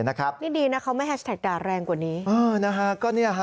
นี่ดีนะเขาไม่แฮชแท็กด่าแรงกว่านี้